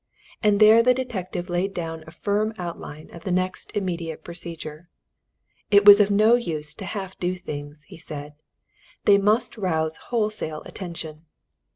And there the detective laid down a firm outline of the next immediate procedure. It was of no use to half do things, he said they must rouse wholesale attention.